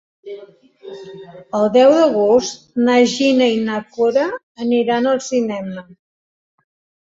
El deu d'agost na Gina i na Cora aniran al cinema.